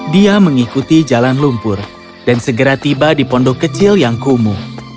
dia mengikuti jalan lumpur dan segera tiba di pondok kecil yang kumuh